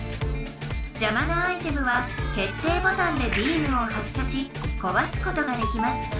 じゃまなアイテムは決定ボタンでビームを発射しこわすことができます